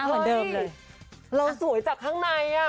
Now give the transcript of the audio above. เฮ้ยเราสวยจากข้างในอ่ะ